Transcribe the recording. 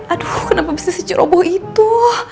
aduh kenapa bisa sejeroboh itu